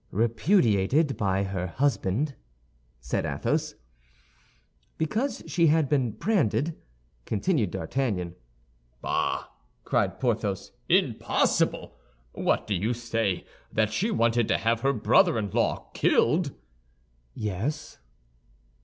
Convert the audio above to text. "Repudiated by her husband," said Athos. "Because she had been branded," continued D'Artagnan. "Bah!" cried Porthos. "Impossible! What do you say—that she wanted to have her brother in law killed?" "Yes."